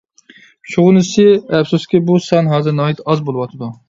شۇغىنىسى، ئەپسۇسكى بۇ سان ھازىر ناھايىتى ئاز بولۇۋاتىدۇ.